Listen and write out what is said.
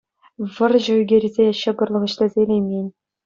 Вӑрҫӑ ӳкерсе ҫӑкӑрлӑх ӗҫлесе илеймен